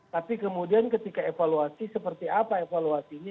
tapi kemudian ketika evaluasi seperti apa evaluasinya